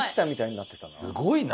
すごいな。